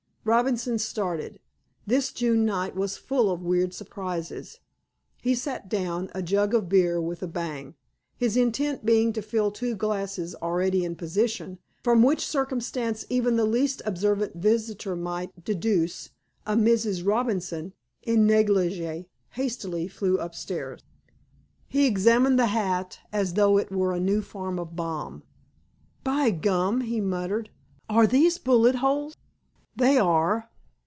Robinson started. This June night was full of weird surprises. He set down a jug of beer with a bang—his intent being to fill two glasses already in position, from which circumstance even the least observant visitor might deduce a Mrs. Robinson, en negligé, hastily flown upstairs. He examined the hat as though it were a new form of bomb. "By gum!" he muttered. "Are these bullet holes?" "They are."